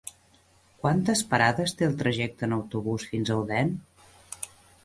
Quantes parades té el trajecte en autobús fins a Odèn?